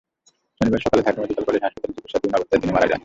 শনিবার সকালে Dhaka medical college হাসপাতালে চিকিৎসাধীন অবস্থায় তিনি মারা যান।